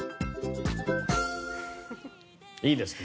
いいですね